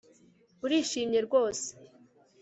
Urishimye rwose